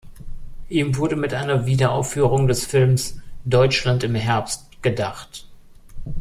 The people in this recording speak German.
Ihm wurde mit einer Wiederaufführung des Films "Deutschland im Herbst" gedacht.